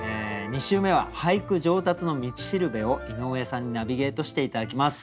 ２週目は俳句上達の道しるべを井上さんにナビゲートして頂きます。